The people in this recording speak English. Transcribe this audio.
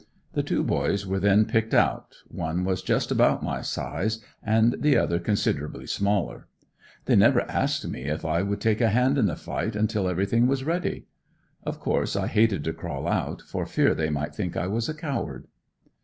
The two boys were then picked out; one was just about my size and the other considerably smaller. They never asked me if I would take a hand in the fight until everything was ready. Of course I hated to crawl out, for fear they might think I was a coward.